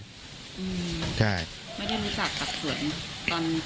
ไม่ได้รู้จักกับส่วนตอน